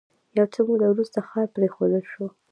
یو څه موده وروسته ښار پرېښودل شو.